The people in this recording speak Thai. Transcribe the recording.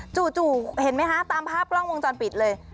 จู่เห็นไหมคะตามภาพกล้องวงจรปิดเลย